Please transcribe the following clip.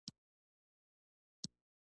ولي توري چای و لنګو ښځو ته ورکول کیږي؟